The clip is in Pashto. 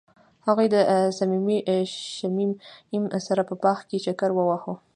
هغوی د صمیمي شمیم سره په باغ کې چکر وواهه.